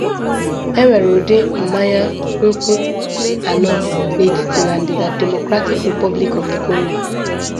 Enwere ụdị mmanya nkwụ anọ na etiti na ndịda Democratic Republic of the Congo.